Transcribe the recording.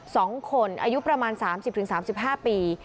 ทั้งคนอายุประมาณ๓๐๓๕ปี